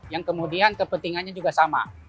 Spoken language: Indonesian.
yang kemudian kepentingannya juga sama